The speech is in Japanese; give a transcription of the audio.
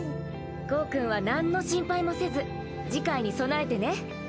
ゴウくんは何の心配もせず次回に備えてね。